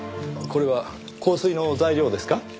これは香水の材料ですか？